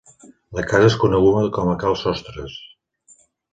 La casa és coneguda com a Cal Sostres.